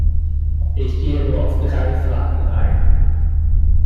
Ich gehe nur auf drei Fragen ein.